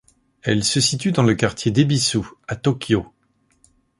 Elle se situe dans le quartier d'Ebisu à Tōkyō.